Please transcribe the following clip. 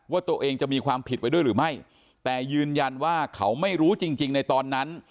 ว่าตัวเองจะมีความผิดไว้ด้วยหรือไม่แต่ยืนยันว่าเขาไม่รู้จริงจริงในตอนนั้น